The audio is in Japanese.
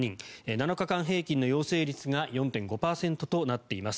７日間平均の陽性率が４．５％となっています。